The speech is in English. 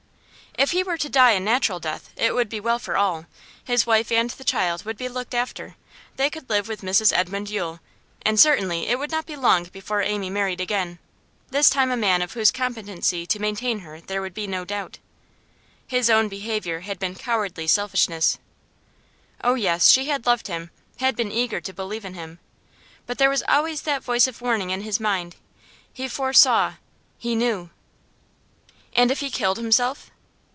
If he were to die a natural death it would be well for all. His wife and the child would be looked after; they could live with Mrs Edmund Yule, and certainly it would not be long before Amy married again, this time a man of whose competency to maintain her there would be no doubt. His own behaviour had been cowardly selfishness. Oh yes, she had loved him, had been eager to believe in him. But there was always that voice of warning in his mind; he foresaw he knew And if he killed himself?